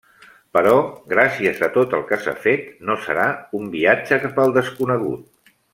Però gràcies a tot el que s'ha fet, no serà un viatge cap al desconegut.